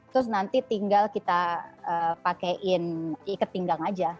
terus nanti tinggal kita pakaiin ikat pinggang aja